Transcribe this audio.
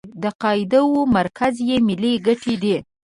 د قاعدو مرکز یې ملي ګټې دي.